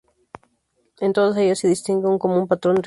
En todas ellas se distingue un común patrón religioso.